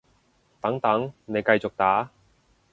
等等，你繼續打